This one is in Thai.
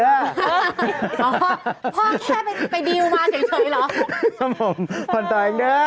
พ่อแค่ไปดีลมาเฉยหรือ